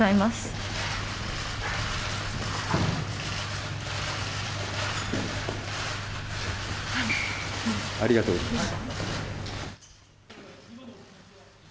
ありがとうございます。